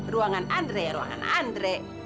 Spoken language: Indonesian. ruangan andre ruangan andre